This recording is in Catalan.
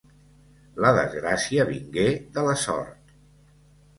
La desgracia vingué de la sort.